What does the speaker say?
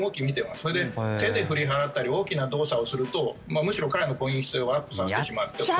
それで手で振り払ったり大きな動作をするとむしろ彼らの攻撃性をアップさせてしまって。